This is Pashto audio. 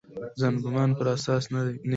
ظن ګومان پر اساس نه وي.